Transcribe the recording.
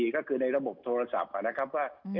ก็คือในระบบโทรศัพท์นะครับว่า